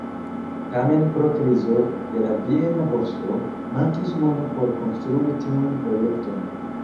Tamen pro krizo de la viena borso, mankis mono por konstrui tiun projekton.